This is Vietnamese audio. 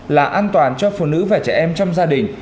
là an toàn cho phụ nữ và trẻ em trong gia đình